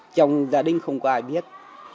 trong gia đình không có ai biết